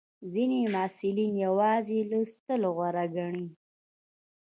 ځینې محصلین یوازې لوستل غوره ګڼي.